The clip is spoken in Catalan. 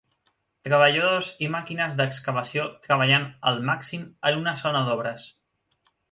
Treballadors i màquines d'excavació treballant al màxim en una zona d'obres